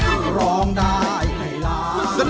เพื่อร้องได้ให้ร้าน